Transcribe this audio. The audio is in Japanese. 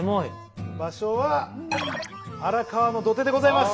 場所は荒川の土手でございます。